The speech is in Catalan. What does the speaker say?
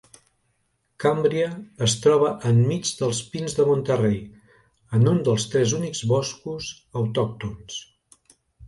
Cambria es troba enmig dels pins de Monterrey, en un dels tres únics boscos autòctons.